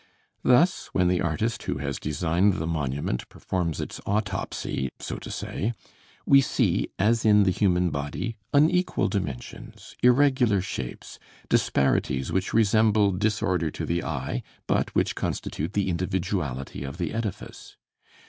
Thus when the artist who has designed the monument performs its autopsy, so to say, we see, as in the human body, unequal dimensions, irregular shapes, disparities which resemble disorder to the eye, but which constitute the individuality of the edifice.